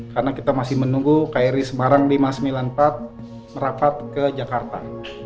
karena kita masih menunggu kri semarang lima ratus sembilan puluh empat merapat ke jakarta